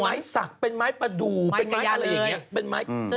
เป็นไม้สักเป็นไม้ประดูเป็นไม้อะไรอย่างเงี้ย